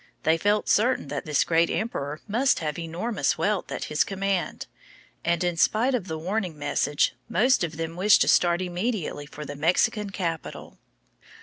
They felt certain that this great emperor must have enormous wealth at his command, and in spite of the warning message, most of them wished to start immediately for the Mexican capital.